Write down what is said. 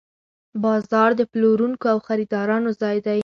بازار د پلورونکو او خریدارانو ځای دی.